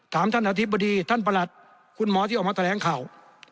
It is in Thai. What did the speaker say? ถามหัทิบดีท่านประหลัดคุณหมอที่เอามาแบ่งแข่งข่าว